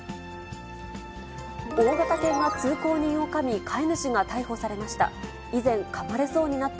大型犬が通行人をかみ、飼い主が逮捕されました。